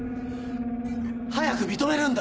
早く認めるんだ！